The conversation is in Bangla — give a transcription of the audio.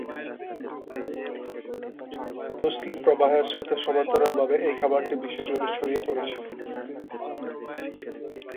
মুসলিম প্রভাবের সাথে সমান্তরাল ভাবে এই খাবারটি বিশ্বজুড়ে ছড়িয়ে পড়েছে।